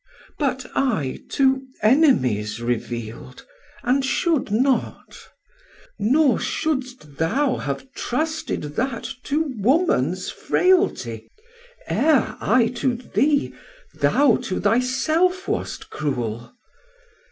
But I to enemies reveal'd, and should not. Nor shouldst thou have trusted that to womans frailty E're I to thee, thou to thy self wast cruel.